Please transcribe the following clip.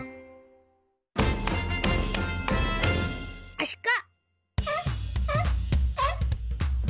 アシカ。